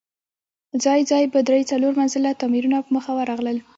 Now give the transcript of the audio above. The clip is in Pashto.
ځای ځای به درې، څلور منزله تاميرونه په مخه ورغلل.